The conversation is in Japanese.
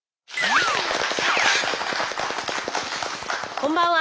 こんばんは！